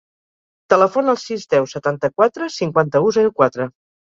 Telefona al sis, deu, setanta-quatre, cinquanta-u, zero, quatre.